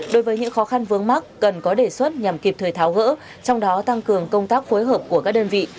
đối với những khó khăn vướng mắt cần có đề xuất nhằm kịp thời tháo gỡ trong đó tăng cường công tác phối hợp của các đơn vị